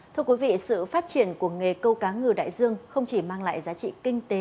thưa quý vị sự phát triển của nghề câu cá ngừ đại dương không chỉ mang lại giá trị kinh tế